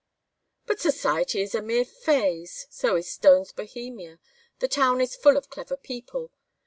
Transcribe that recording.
"But Society is a mere phase. So is Stone's Bohemia. The town is full of clever people.